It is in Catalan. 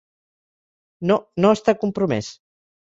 No, no està compromès.